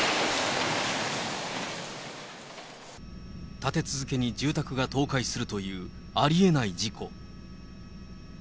立て続けに住宅が倒壊するというありえない事故。